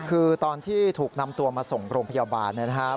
คือตอนที่ถูกนำตัวมาส่งโรงพยาบาลนะครับ